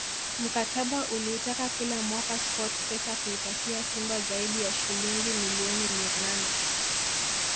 Mkataba uliitaka kila mwaka Sports pesa kuipatia Simba zaidi ya shilingi milioni mia nane